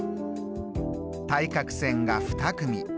対角線が２組。